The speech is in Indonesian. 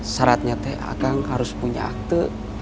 syaratnya akang harus punya akte